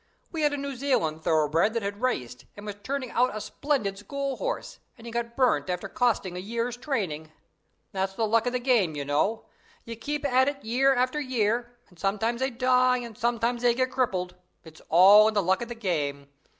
We had a New Zealand thoroughbred that had raced, and was turning out a splendid school horse, and he got burnt after costing a year's training. That's the luck of the game, you know. You keep at it year after year, and sometimes they die, and sometimes they get crippled it's all in the luck of the game.